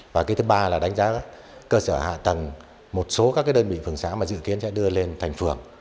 và cái thứ ba là đánh giá cơ sở hạ tầng một số các đơn vị phường xã mà dự kiến sẽ đưa lên thành phường